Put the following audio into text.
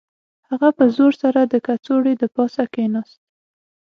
هغه په زور سره د کڅوړې د پاسه کښیناست